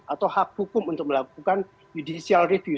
atau hak hukum untuk melakukan judicial review